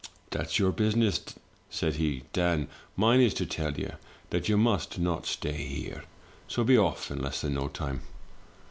" 'That's your business,' said he; 'Dan, mine is to tell you that you must not stay, so be off in less than no time.'